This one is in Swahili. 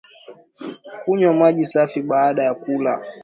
Kunywa maji safi baada ya kula